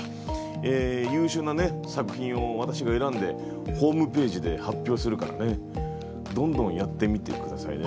優秀なね作品を私が選んでホームページで発表するからねどんどんやってみて下さいね。